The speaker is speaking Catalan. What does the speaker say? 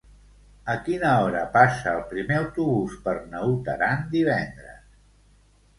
A quina hora passa el primer autobús per Naut Aran divendres?